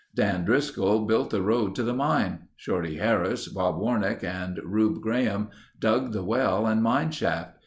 Dan Driscoll built the road to the mine. Shorty Harris, Bob Warnack, and Rube Graham dug the well and mine shaft.